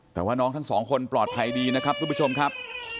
แต่ว่าน้องทั้งสองคนปลอดภัยดีนะครับทุกผู้ชมครับ